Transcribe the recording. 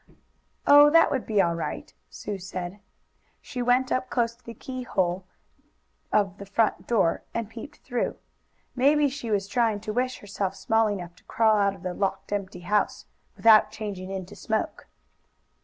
"Oh, that would be all right," Sue said. She went up close to the keyhole of the front door and peeped through. Maybe she was trying to wish herself small enough to crawl out of the locked, empty house, without changing into smoke.